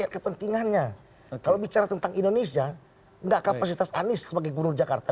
kepentingannya kalau bicara tentang indonesia enggak kapasitas anies sebagai gubernur jakarta